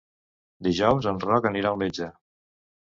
Dijous en Roc anirà al metge.